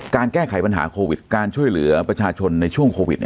แก้ไขปัญหาโควิดการช่วยเหลือประชาชนในช่วงโควิด